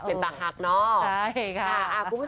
เป็นตาหักเนาะ